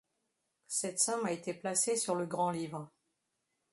Cette somme a été placée sur le grand-livre.